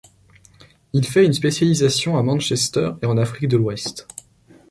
Il fait une spécialisation à Manchester et en Afrique de l'ouest.